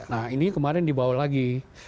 nah ini kemarin dibawa lagi